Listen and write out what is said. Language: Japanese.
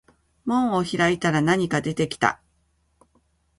門を開いたら何か出てきた